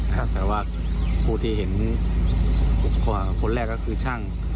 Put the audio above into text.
แต่ว่าผู้ที่เห็นคนแรกก็คือช่าง